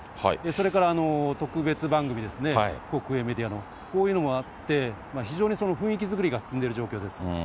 それから、特別番組ですね、国営メディアの、こういうのもあって、非常にその雰囲気作りが進んでいる状況です。